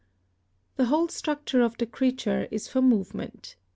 The whole structure of the creature is for movement.